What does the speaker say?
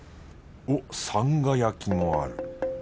おっさんが焼きもある。